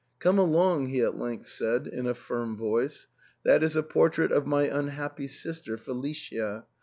" Come along," he at length said, in a firm voice, " that is a portrait of my unhappy sister Felicia.